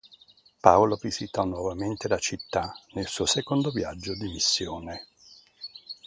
Paolo visitò nuovamente la città nel suo secondo viaggio di missione.